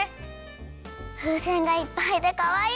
ふうせんがいっぱいでかわいい！